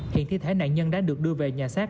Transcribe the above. hiện thi thể nạn nhân đã được đưa về nhà xác